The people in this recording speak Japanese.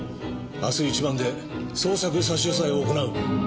明日一番で捜索差し押さえを行う。